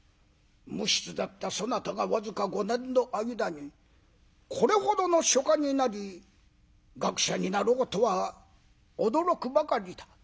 無筆だったそなたが僅か５年の間にこれほどの書家になり学者になろうとは驚くばかりだ」。